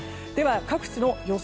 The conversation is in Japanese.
各地の予想